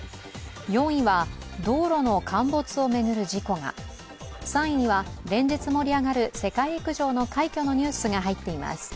４位は道路の陥没を巡る事故が、３位には連日盛り上がる世界陸上の快挙のニュースが入っています。